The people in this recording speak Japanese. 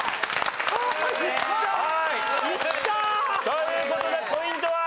という事でポイントは？